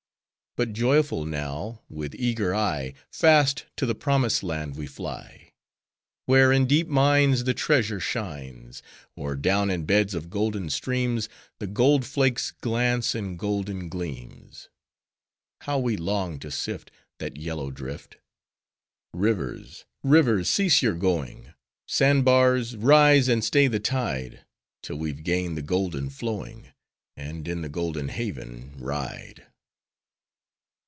But joyful now, with eager eye, Fast to the Promised Land we fly: Where in deep mines, The treasure shines; Or down in beds of golden streams, The gold flakes glance in golden gleams! How we long to sift, That yellow drift! Rivers! Rivers! cease your going! Sand bars! rise, and stay the tide! 'Till we've gained the golden flowing; And in the golden haven ride!